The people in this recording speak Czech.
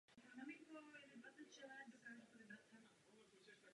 Oproti evropské tak měla hranaté světlomety a jiné nárazníky.